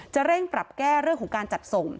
เร่งปรับแก้เรื่องของการจัดส่ง